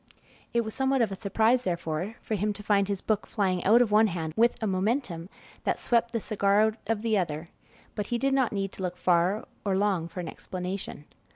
It was somewhat of a surprise, therefore, for him to find his book flying out of one hand with a momentum that swept the cigar out of the other; but he did not need to look far or long for an explanation.